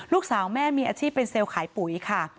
ลูกสาวแม่มีอาชีพเป็นเซลล์ขายปุ๋ยค่ะ